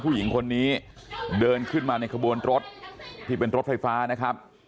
ผู้หญิงคนนี้เดินขึ้นมาในขบวนรถที่เป็นรถไฟฟ้านะครับ